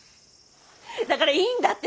だからいいんだって！